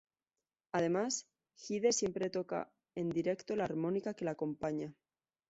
Además Hyde siempre toca en directo la armónica que la acompaña.